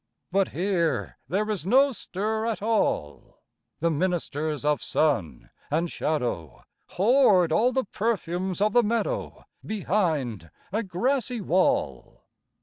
But here there is no stir at all; The ministers of sun and shadow Horde all the perfumes of the meadow Behind a grassy wall.